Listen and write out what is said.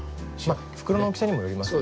袋の大きさにもよりますね。